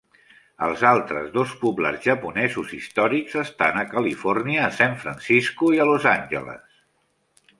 Els altres dos poblats japonesos històrics estan a Califòrnia, a San Francisco i a Los Angeles.